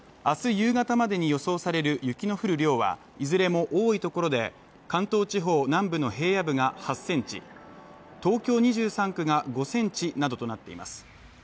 明日夕方までに予想される雪の降る量はいずれも多いところで関東地方南部の平野部が７ｃｍ東京２３区が５ｃｍなどとなっています。